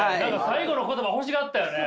最後の言葉欲しがったよね？